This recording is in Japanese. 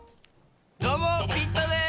どうも、ビットです。